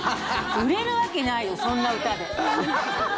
売れるわけないよそんな歌で。